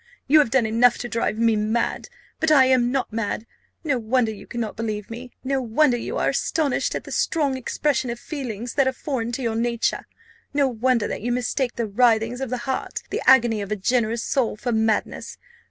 You have done enough to drive me mad but I am not mad. No wonder you cannot believe me no wonder you are astonished at the strong expression of feelings that are foreign to your nature no wonder that you mistake the writhings of the heart, the agony of a generous soul, for madness!